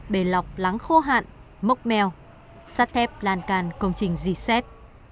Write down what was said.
bể lọc lắng khô hạn mốc meo sát thép lan can công trình di xét